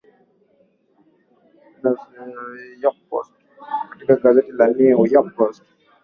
ni achane basi na ajali hii narudi katika gazeti la new york post